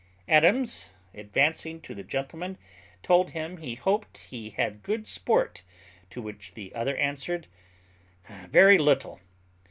Adams, advancing to the gentleman, told him he hoped he had good sport, to which the other answered, "Very little."